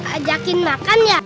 ajakin makan ya